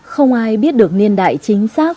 không ai biết được niên đại chính xác